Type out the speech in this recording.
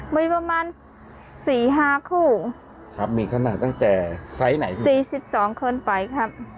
มีประมาณสี่ห้าคู่ครับมีขนาดตั้งแต่ไซส์ไหนสี่สิบสองคนไปครับ